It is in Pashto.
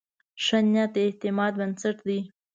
ښه نیت د اعتماد بنسټ دی.